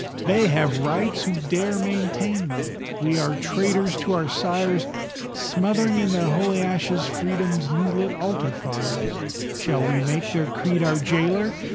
They have rights who dare maintain them; we are traitors to our sires, Smothering in their holy ashes Freedom's new lit altar fires; Shall we make their creed our jailer?